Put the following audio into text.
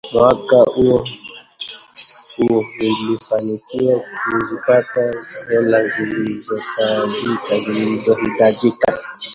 " Mwaka uo huo, nilifanikiwa kuzipata hela zilizohitajika"